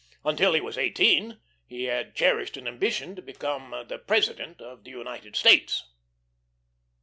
Until he was eighteen he had cherished an ambition to become the President of the United States.